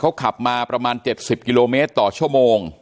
เขาขับมาประมาณ๗๐กิโลเมตรต่อชั่วโมง